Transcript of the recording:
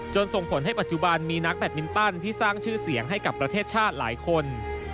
ส่งผลให้ปัจจุบันมีนักแบตมินตันที่สร้างชื่อเสียงให้กับประเทศชาติหลายคน